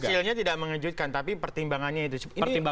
hasilnya tidak mengejutkan tapi pertimbangannya itu